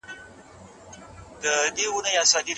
اقتصادي ازادي پانګوالو ته جرئت ورکوي.